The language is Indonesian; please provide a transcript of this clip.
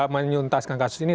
menyuntaskan kasus ini